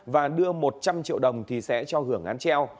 và đưa một trăm linh triệu đồng thì sẽ cho hưởng án treo